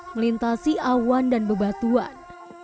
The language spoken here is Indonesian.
melintasi awan dan bebatuan